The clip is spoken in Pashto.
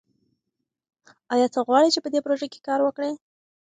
ایا ته غواړې چې په دې پروژه کې کار وکړې؟